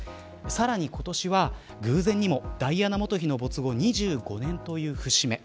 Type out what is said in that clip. さらに、今年は偶然にもダイアナ元妃の没後２５年という節目。